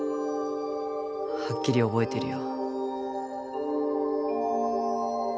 はっきり覚えてるよ。